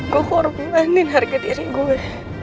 gue forbenin harga diri gue